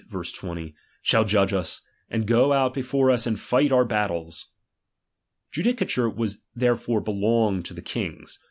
20) shall judge us, and go out before us, and fight our battles. Judicature therefore belonged to the kings.